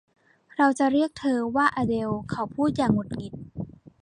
เราจะเรียกเธอว่าอะเดลเขาพูดอย่างหงุดหงิด